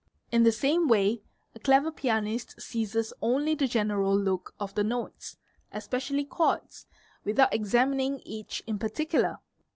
In the same way a clever pianist seizes only the general look of the notes, especially chords, without examining each in particular.